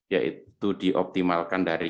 yaitu dioptimalkan dari